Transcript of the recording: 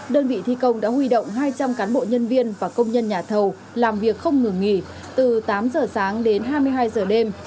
đơn vị thi công đã huy động hai trăm linh cán bộ nhân viên và công nhân nhà thầu làm việc không ngừng nghỉ từ tám giờ sáng đến hai mươi hai giờ đêm